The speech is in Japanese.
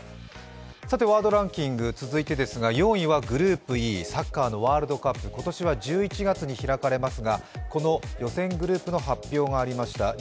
ワードランキング、４位ですがグループＥ、サッカーのワールドカップ、今年は１１月に開かれますがこの予選グループの発表がありました。